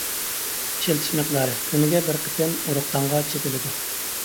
ئىشلىتىش مىقدارى: كۈنىگە بىر قېتىم ئۇرۇقدانغا چېپىلىدۇ.